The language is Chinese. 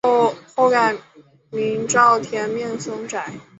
后改名沼田面松斋。